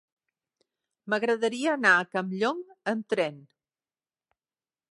M'agradaria anar a Campllong amb tren.